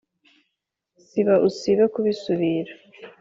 siba usibe kubisubira